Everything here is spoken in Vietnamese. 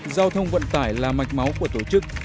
giao thông vận tải là mạch máu của tổ chức